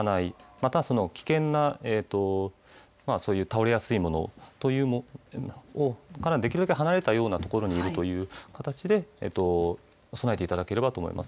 またその危険な倒れやすいものからできるだけ離れたような所にいるという形で備えていただければと思います。